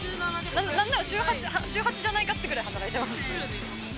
なんなら週８じゃないかというぐらい働いています。